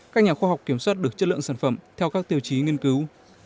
các nhà khoa học kiểm soát được chất lượng sản phẩm theo các tiêu chí nghiên cứu